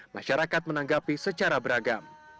masyarakat menanggapi secara beragam